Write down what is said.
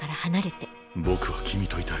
僕は君といたい。